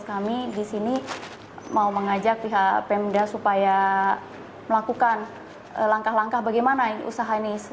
kami di sini mau mengajak pihak pemda supaya melakukan langkah langkah bagaimana usaha ini